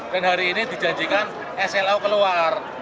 dan hari ini dijanjikan slo keluar